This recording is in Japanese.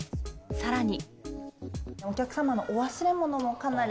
さらに。